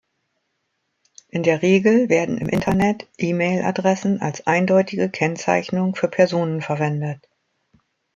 In der Regel werden im Internet E-Mail-Adressen als eindeutige Kennzeichnung für Personen verwendet.